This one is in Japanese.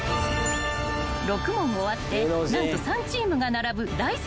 ［６問終わって何と３チームが並ぶ大接戦］